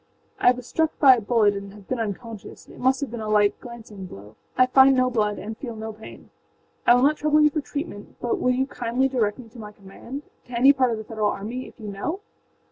âI was struck by a bullet and have been unconscious. It must have been a light, glancing blow: I find no blood and feel no pain. I will not trouble you for treatment, but will you kindly direct me to my commandâto any part of the Federal armyâif you know?